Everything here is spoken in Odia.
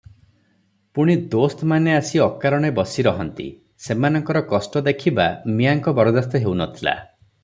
ପୁଣି ଦୋସ୍ତମାନେ ଆସି ଅକାରଣେ ବସି ରହନ୍ତି, ସେମାନଙ୍କର କଷ୍ଟ ଦେଖିବା ମିଆଁଙ୍କ ବରଦାସ୍ତ ହେଉ ନଥିଲା ।